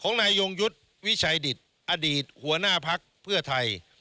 นายยงยุทธ์วิชัยดิตอดีตหัวหน้าพักเพื่อไทย